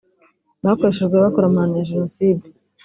bakoreshejwe bakora amahano ya Jenoside